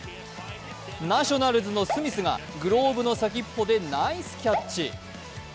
ナショナルズのスミスがグローブの先っぽでナイスキャッチ。